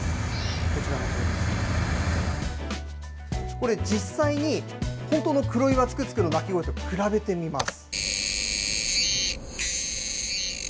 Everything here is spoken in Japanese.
これ、実際に本当のクロイワツクツクの鳴き声と比べてみます。